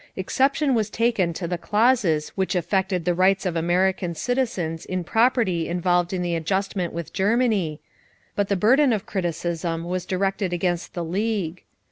Exception was taken to the clauses which affected the rights of American citizens in property involved in the adjustment with Germany, but the burden of criticism was directed against the League.